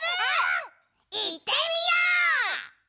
いってみよう！